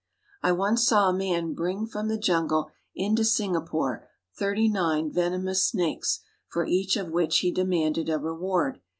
I once saw a man bring from the jungle into Singa pore thirty nine venomous snakes, for each of which he demanded a reward.